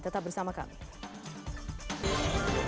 tetap bersama kami